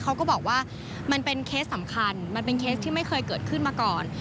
เขาก็บอกว่ามันเป็นเคสสำคัญมันเป็นเคสที่ไม่เคยเกิดขึ้นมาก่อน